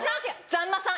「ざんまさん」